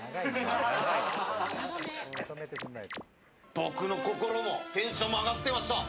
僕の心もテンションも上がってました。